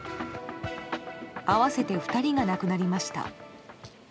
合わせて２人が亡くなりました。